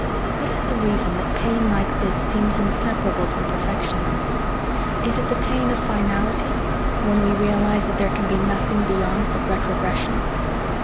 What is the reason that pain like this seems inseparable from perfection? Is it the pain of finality when we realise that there can be nothing beyond but retrogression?"